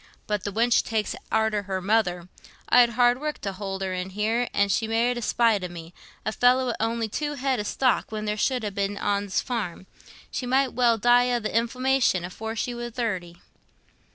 "But the wench takes arter her mother. I'd hard work t' hould her in, an' she married i' spite o' me—a feller wi' on'y two head o' stock when there should ha' been ten on's farm—she might well die o' th' inflammation afore she war thirty."